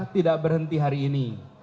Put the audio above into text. tidak berhenti hari ini